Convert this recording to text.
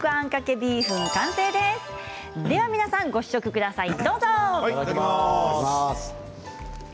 では皆さんご試食ください。